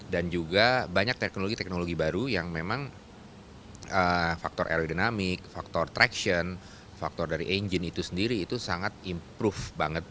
dan juga banyak teknologi teknologi baru yang memang faktor aerodinamik faktor traction faktor dari engine itu sendiri itu sangat improve banget